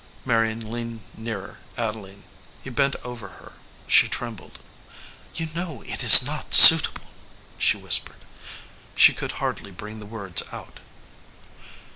Marion leaned nearer Adeline. He bent over her. She trembled. "You know it is not suitable," she whispered. She could hardly bring the words out.